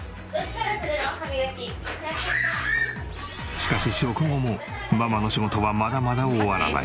しかし食後もママの仕事はまだまだ終わらない。